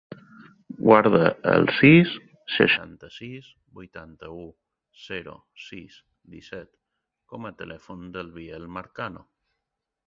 Guarda el sis, seixanta-sis, vuitanta-u, zero, sis, disset com a telèfon del Biel Marcano.